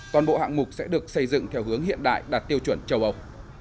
toàn bộ hạng mục sẽ được xây dựng theo hướng hiện đại đạt tiêu chuẩn châu âu